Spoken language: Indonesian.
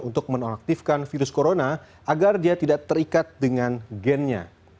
untuk menonaktifkan virus corona agar dia tidak terikat dengan gennya